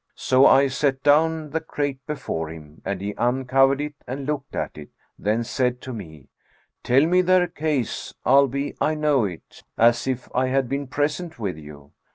So I set down the crate before him, and he uncovered it and looked at it; then said to me, 'Tell me their case, albe I know it, as if I had been present with you.'